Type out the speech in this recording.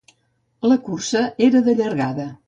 La cursa era de llargada.